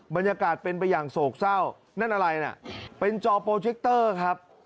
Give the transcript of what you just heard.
บรรยากาศเป็นไปอย่างโศกเศร้านั่นอะไรน่ะเป็นจอโปรเจคเตอร์ครับ